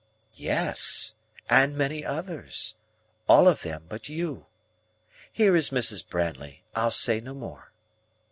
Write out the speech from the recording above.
"Yes, and many others,—all of them but you. Here is Mrs. Brandley. I'll say no more."